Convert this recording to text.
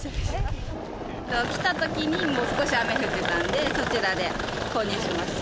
来たときにもう少し雨降ってたんで、そちらで購入しました。